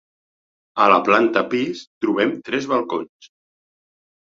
A la planta pis trobem tres balcons.